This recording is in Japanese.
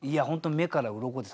目からうろこです。